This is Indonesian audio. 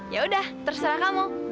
yaudah terserah kamu